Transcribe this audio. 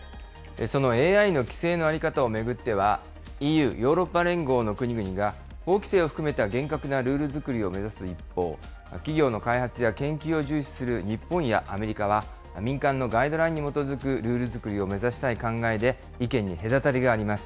そのＡＩの規制の在り方を巡っては、ＥＵ・ヨーロッパ連合の国々が、法規制を含めた厳格なルール作りを目指す一方、企業の開発や研究を重視する日本やアメリカは、民間のガイドラインに基づくルール作りを目指したい考えで、意見に隔たりがあります。